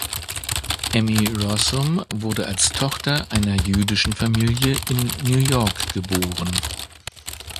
Emmy Rossum wurde als Tochter einer jüdischen Familie in New York geboren.